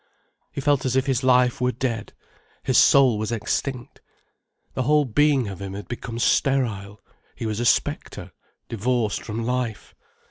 He felt as if his life were dead. His soul was extinct. The whole being of him had become sterile, he was a spectre, divorced from life.